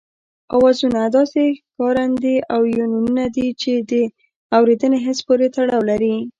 آوازونه داسې ښکارندې او يوونونه دي چې د اورېدني حس پورې تړاو لري